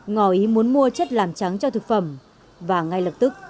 ngòi muốn mua chất làm trắng cho thực phẩm và ngay lập tức